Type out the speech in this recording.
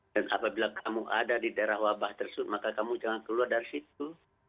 dan apabila kamu ada di daerah wabah tersebut maka kamu jangan keluar dari situ